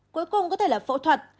cuối cùng có thể là phẫu thuật